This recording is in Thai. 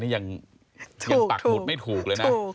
นี่ยังปากถูกไม่ถูกเลยนะ